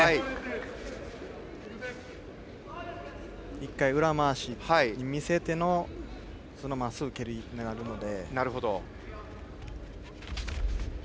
１回、裏回しに見せてのまっすぐの蹴りになるので。